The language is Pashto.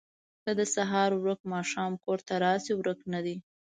ـ که د سهار ورک ماښام کور ته راشي ورک نه دی.